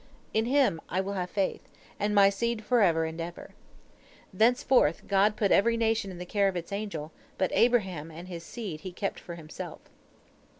In Him I will have faith, and my seed forever and ever.' Thenceforth God put every nation in the care of its angel, but Abraham and his seed He kept for Himself.